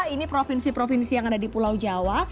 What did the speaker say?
ini provinsi provinsi yang ada di pulau jawa